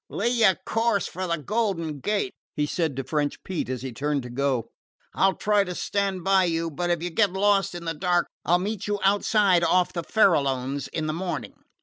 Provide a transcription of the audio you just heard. "Lay your course for the Golden Gate," he said to French Pete, as he turned to go. "I 'll try to stand by you, but if you get lost in the dark I 'll meet you outside, off the Farralones, in the morning."